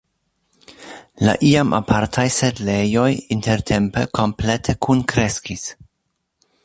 La iam apartaj setlejoj intertempe komplete kunkreskis.